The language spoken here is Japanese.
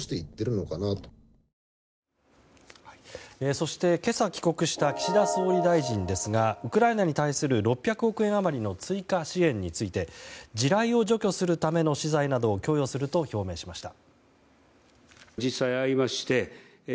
そして、今朝帰国した岸田総理大臣ですがウクライナに対する６００億円余りの追加支援について地雷を除去するための資材などを供与すると表明しました。